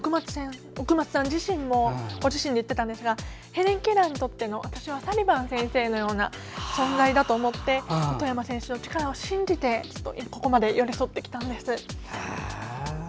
奥松さんもご自身で言っていたんですがヘレン・ケラーにとってのサリバン先生のような存在だと思って外山選手の力を信じてここまで寄り添ってきたんです。